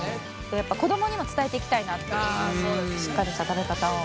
やっぱ子供にも伝えていきたいなってしっかりした食べ方を。